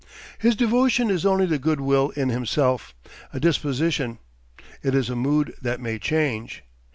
His devotion is only the good will in himself, a disposition; it is a mood that may change.